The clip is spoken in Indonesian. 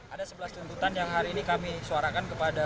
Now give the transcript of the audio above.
ada sebelas tuntutan yang hari ini kami suarakan kepada